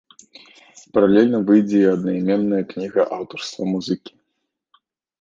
Паралельна выйдзе і аднайменная кніга аўтарства музыкі.